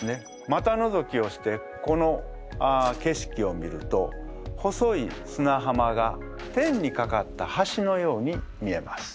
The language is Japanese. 股のぞきをしてこの景色を見ると細いすなはまが天にかかった橋のように見えます。